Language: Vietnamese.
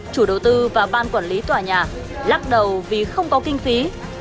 chủ đầu tư và ban quản lý tòa nhà lắc đầu vì không có kinh phí